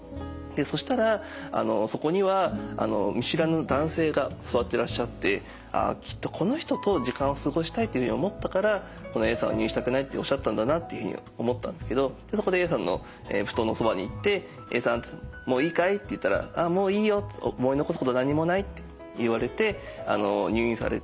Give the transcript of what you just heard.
そしたらそこには見知らぬ男性が座ってらっしゃって「ああきっとこの人と時間を過ごしたいっていうふうに思ったからこのＡさんは入院したくないっておっしゃったんだな」っていうふうに思ったんですけどそこでＡさんの布団のそばに行って「Ａさんもういいかい？」って言ったら「もういいよ。思い残すことは何もない」って言われて入院されて。